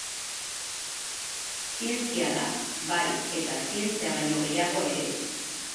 Zientzia da, bai eta zientzia baino gehiago ere.